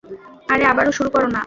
আরে, আবারো শুরু করো না।